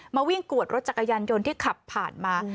มาวิ่งกวดรถจักรยานยนต์ที่ขับผ่านมา